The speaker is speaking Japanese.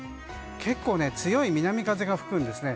結構強い南風が吹くんですね。